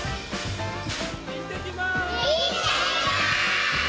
いってきます。